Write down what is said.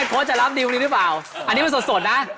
โค๊ตจะรับดีลมือหรือเปล่านี่มาสดนะ